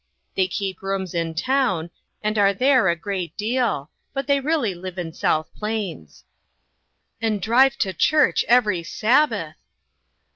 They keep rooms in town, and are there a great deal, but they really live in South Plains." " And drive to church every Sabbath